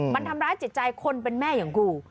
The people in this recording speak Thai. มันทำร้ายจิตใจคนเป็นแม่อย่างกู